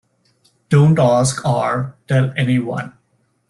Don't ask or tell any one.